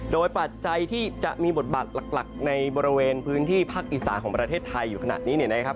โดยปัจจัยที่จะมีบทบาทหลักในบริเวณพื้นที่ภาคอีสานของประเทศไทยอยู่ขนาดนี้เนี่ยนะครับ